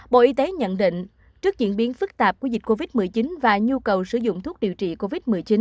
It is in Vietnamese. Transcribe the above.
bộ y tế nhận định trước diễn biến phức tạp của dịch covid một mươi chín và nhu cầu sử dụng thuốc điều trị covid một mươi chín